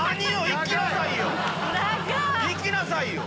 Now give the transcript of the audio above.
行きなさいよ！